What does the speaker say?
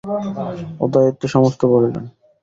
উদয়াদিত্য সমস্ত বলিলেন।